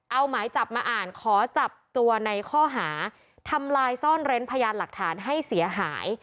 เอาหมายจับมาอ่านขอจับตัวในข้อหาทำลายซ่อนเร้นพยานหลักฐานให้เสียหาย